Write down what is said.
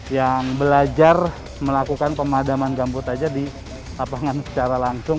yang belajar melakukan pemadaman gambut aja di lapangan secara langsung